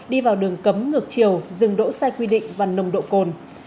đi vào đường cấm ngược chiều dừng đỗ sai quy định và nồng độ cồn